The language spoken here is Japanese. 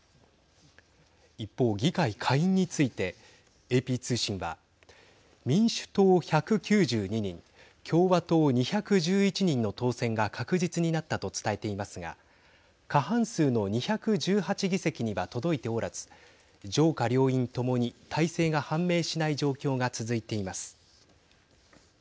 一方、議会下院についてＡＰ通信は民主党１９２人共和党２１１人の当選が確実になったと伝えていますが過半数の２１８議席には届いておらず上下両院ともに大勢が判明しない状況が続いています。